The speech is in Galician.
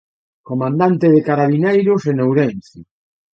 Comandante de Carabineiros en Ourense.